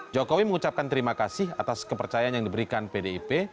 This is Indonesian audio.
jokowi mengucapkan terima kasih atas kepercayaan yang diberikan pdip